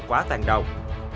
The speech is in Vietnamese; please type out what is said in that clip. quá tàn động